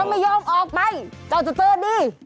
เข้าใจมั้ยต้องไม่ยอมออกไปเจ้าจะเจอดี